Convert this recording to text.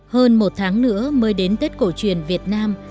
hơn một tháng nữa mới đến tết cổ truyền việt nam